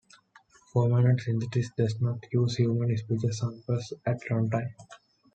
Formant synthesis does not use human speech samples at runtime.